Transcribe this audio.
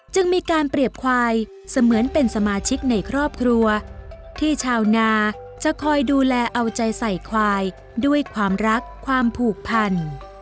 จึงมีการเปรียบควายเสมือนเป็นสมาชิกในครอบครัวที่ชาวนาจะคอยดูแลเอาใจใส่ควายด้วยความรักความผูกพัน